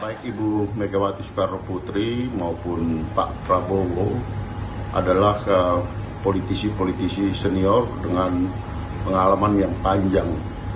baik ibu megawati soekarno putri maupun pak prabowo adalah politisi politisi senior dengan pengalaman yang panjang